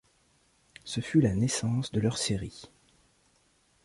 Ce fut la naissance de leur série.